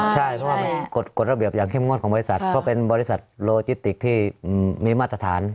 ใช่เพราะว่ามันกฎระเบียบอย่างเข้มงวดของบริษัทก็เป็นบริษัทโลจิติกที่มีมาตรฐาน